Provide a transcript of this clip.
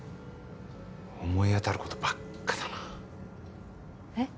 思い当たることばっかだなえっ？